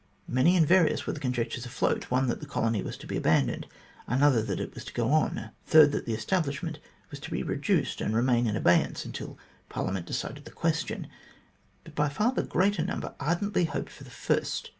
Many and various were the conjectures afloat one that the colony was to be abandoned ; another that it was to go on ; a third that the establishment was to be reduced and remain in abeyance until Parliament decided the question, but by far the greater number ardently hoped for the first.